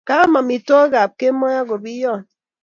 Kaam amitwogik ap kemoi akopiyony